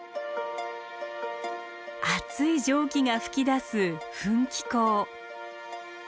熱い蒸気が噴き出す噴気孔。